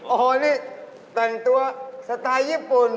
โอ้โหนี่แต่งตัวสไตล์ญี่ปุ่น